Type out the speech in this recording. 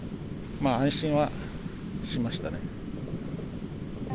安心はしましたね。